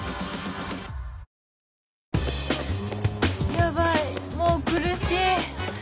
ヤバいもう苦しい